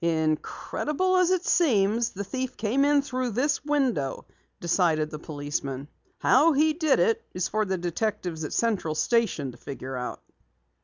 "Incredible as it seems, the thief came through this window," decided the policeman. "How he did it is for the detectives at Central Station to figure out."